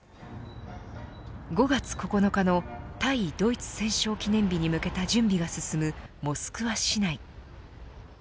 ５月９日の対ドイツ戦勝記念日に向けた準備が進むモスクワ市内。